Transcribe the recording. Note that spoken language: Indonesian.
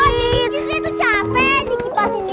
ini icus lia tuh capek di kipas ini